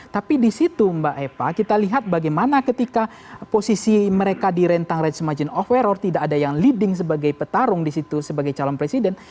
tapi di situ mbak eva kita lihat bagaimana ketika posisi mereka di rentang range margin of error tidak ada yang leading sebagai petarung di situ sebagai calon presiden